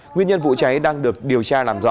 nguyên nhân vụ cháy đang được điều tra làm rõ